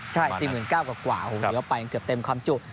ใช่๔๙๐๐กว่าโอ้โหเลี้ยวไปเกือบเต็มความจุ